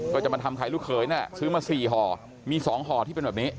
ก็จะมาทำไข่ลูกเขยน่ะซื้อมา๔ห่อมี๒ห่อที่เป็นแบบนี้